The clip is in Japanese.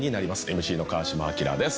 ＭＣの川島明です